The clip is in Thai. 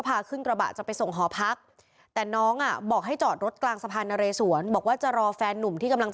พี่โรคมอยน้องโบ๊ะโดดสะพาน